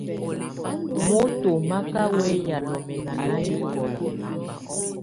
Moto má ká wɛya lɔmɛna nanɛkɔla.